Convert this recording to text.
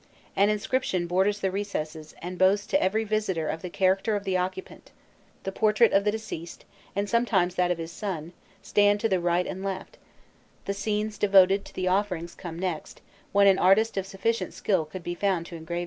An inscription borders the recess, and boasts to every visitor of the character of the occupant: the portrait of the deceased, and sometimes that of his son, stand to the right and left: the scenes devoted to the offerings come next, when an artist of sufficient skill could be found to engrave them.